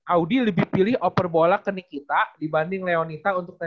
audi lebih pilih oper bola ke nikita dibanding leonita untuk ke eji